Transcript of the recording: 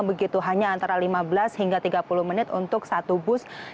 begitu hanya antara lima belas hingga tiga puluh menit untuk satu bus